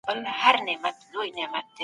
ناشناس نه دی» په نوم کتاب کي راغلي دي، چي د